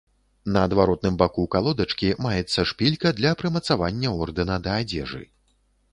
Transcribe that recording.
На адваротным баку калодачкі маецца шпілька для прымацавання ордэна да адзежы.